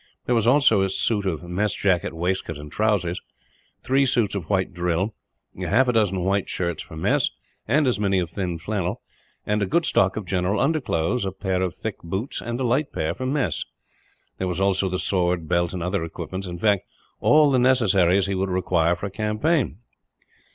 There was also a suit of mess jacket, waistcoat, and trousers; three suits of white drill; half a dozen white shirts for mess, and as many of thin flannel; and a good stock of general underclothes, a pair of thick boots, and a light pair for mess. There was also the sword, belt, and other equipments; in fact, all the necessaries he would require for a campaign.